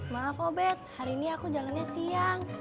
maaf obed hari ini aku jalannya siang